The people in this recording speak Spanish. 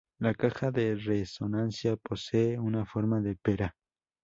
La caja de resonancia posee una forma de pera.